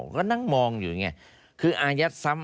ก็นั่งมองอยู่ไงคืออายัดซ้ำ